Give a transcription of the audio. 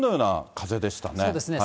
そうですね。